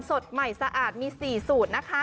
สดใหม่สะอาดมี๔สูตร